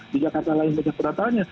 di jakarta lain banyak para tanya